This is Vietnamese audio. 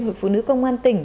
huyện phụ nữ công an tỉnh